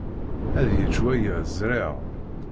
Ad yečč waya. Ẓriɣ.